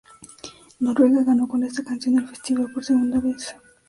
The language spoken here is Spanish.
Noruega ganó con esta canción el festival por segunda vez.